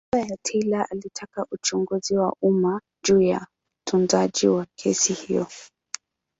Baba ya Taylor alitaka uchunguzi wa umma juu ya utunzaji wa kesi hiyo.